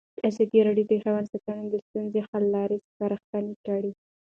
ازادي راډیو د حیوان ساتنه د ستونزو حل لارې سپارښتنې کړي.